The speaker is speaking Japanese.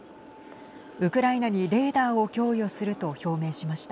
ウクライナにレーダーを供与すると表明しました。